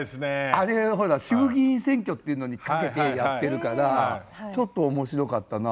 あれほら衆議院選挙っていうのにかけてやってるからちょっと面白かったな